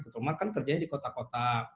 terutama kan kerjanya di kota kota